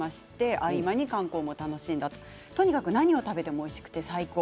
合間に観光も楽しんでとにかく何を食べてもおいしくて最高。